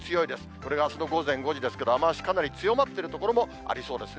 これがあすの午前５時ですけれども、雨足かなり強まっている所もありそうですね。